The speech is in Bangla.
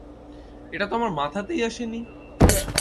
এটা তো আমার মাথাতেই আসে নি।